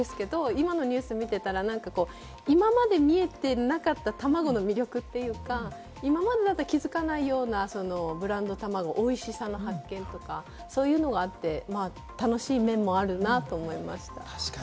今のニュースを見ていたら、今まで見えてなかった、たまごの魅力というか、今までだったら気づかないようなブランドのたまご、おいしさの発見とか、そういうのがあって楽しい面もあるなと思いました。